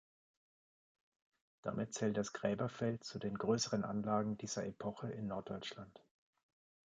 Damit zählt das Gräberfeld zu den größeren Anlagen dieser Epoche in Norddeutschland.